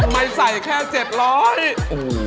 ทำไมใส่แค่เจ็ตร้อยโอ้ย